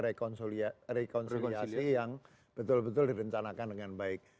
dan juga rekonsiliasi yang betul betul direncanakan dengan baik